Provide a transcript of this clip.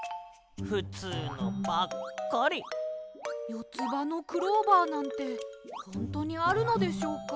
よつばのクローバーなんてほんとにあるのでしょうか。